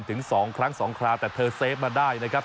ถึง๒ครั้ง๒คราวแต่เธอเซฟมาได้นะครับ